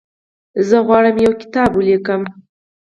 زه غواړم یو کتاب ولیکم.